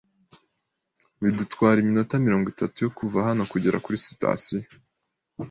Bidutwara iminota mirongo itatu yo kuva hano kugera kuri sitasiyo.